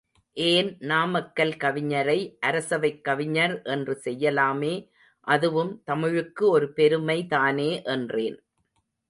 ஏன் நாமக்கல் கவிஞரை அரசவைக் கவிஞர் என்று செய்யலாமே, அதுவும் தமிழுக்கு ஒரு பெருமை தானே என்றேன்.